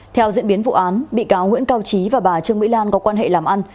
theo diễn biến vụ án bị cáo nguyễn cao trí và bà trương mỹ lan có quan hệ làm ăn